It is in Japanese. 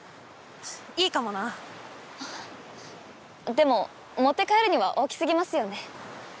でも持って帰るには大きすぎますよね。